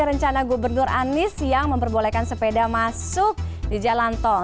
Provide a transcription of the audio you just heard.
rencana gubernur anies yang memperbolehkan sepeda masuk di jalan tol